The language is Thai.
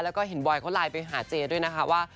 แล้วก็เห็นบอยเขาไลน์ไปหาเจด้วยนะคะว่า